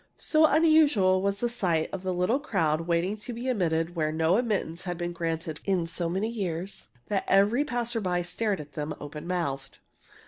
So unusual was the sight of the little crowd waiting to be admitted, where no admittance had been granted in so many years, that every passer by stared at them open mouthed.